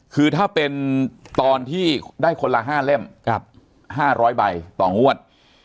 คือถ้าเป็นตอนที่ได้คนละ๕เล่ม๕๐๐ใบต่องวด